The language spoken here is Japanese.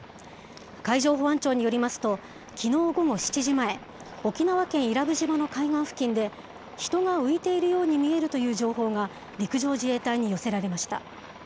海上保安庁によりますと、きのう午後７時前、沖縄県伊良部島の海岸付近で、人が浮いているように見えるという情報が、陸上自衛隊に寄せられました。